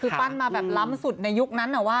คือปั้นมาแบบล้ำสุดในยุคนั้นน่ะว่า